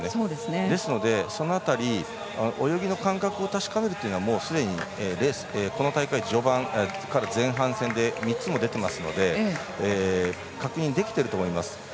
ですのでその辺り、泳ぎの感覚を確かめるというのはこの大会序盤から前半戦で３つも出てますので確認できてると思います。